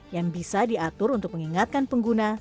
yang bisa diatur untuk mengingatkan pengguna